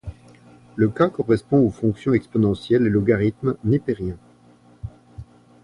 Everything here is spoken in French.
Le cas correspond aux fonctions exponentielle et logarithme népérien.